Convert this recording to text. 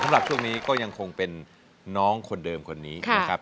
ช่วงนี้ก็ยังคงเป็นน้องคนเดิมคนนี้นะครับ